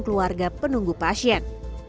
keluarga penunggu pasien